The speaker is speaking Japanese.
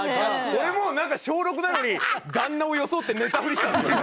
俺もなんか小６なのに旦那を装って寝たふりしたんですよね。